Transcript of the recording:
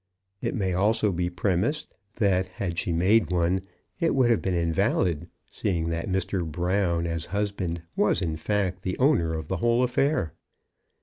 It may also be premised that had she made one it would have been invalid, seeing that Mr. Brown, as husband, was, in fact, the owner of the whole affair.